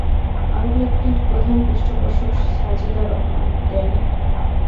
আউটলেটটির প্রধান পৃষ্ঠপোষক সাজিদা রহমান ড্যানি।